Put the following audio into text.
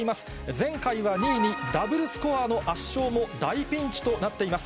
前回は２位にダブルスコアの圧勝も大ピンチとなっています。